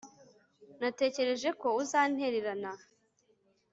Natekereje ko uzantererana